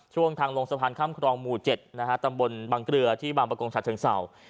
ช่วงทางลงสะพานข้ามครองหมู่เจ็ดนะฮะตำบลบังเกลือที่บางประกงชัดถึงเสาร์